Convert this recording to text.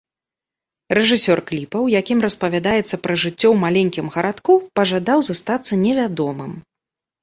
Рэжысёр кліпа, у якім распавядаецца пра жыццё ў маленькім гарадку, пажадаў застацца невядомым.